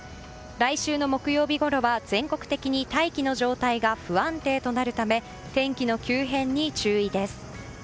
来週の木曜日ごろは全国的に大気の状態が不安定となるため天気の急変に注意です。